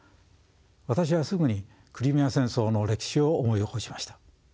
私はすぐにクリミア戦争の歴史を思い起こしました。